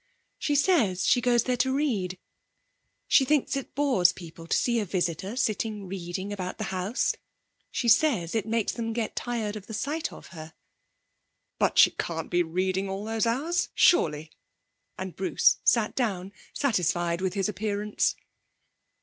'She says she goes there to read. She thinks it bores people to see a visitor sitting reading about the house; she says it makes them get tired of the sight of her.' 'But she can't be reading all those hours, surely?' and Bruce sat down, satisfied with his appearance.